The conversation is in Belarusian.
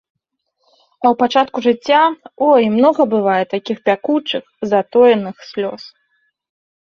А ў пачатку жыцця, ой, многа бывае такіх пякучых затоеных слёз.